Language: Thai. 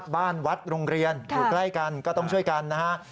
บ้านวัดโรงเรียนอยู่ใกล้กันก็ต้องช่วยกันนะฮะ